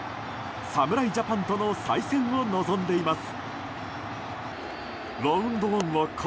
侍ジャパンとの再戦を望んでいます。